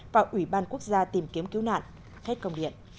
và ủy ban quốc gia tìm kiếm cứu nạn